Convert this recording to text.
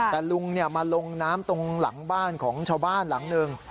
แต่ลุงมาลงน้ำตรงหลังบ้านของชาวบ้านหลังหนึ่ง